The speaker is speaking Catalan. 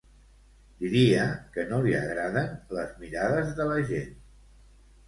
Diria que no li agraden les mirades de la gent.